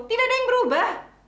tidak ada yang berubah